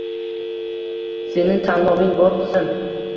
Seni tanloving bor qizim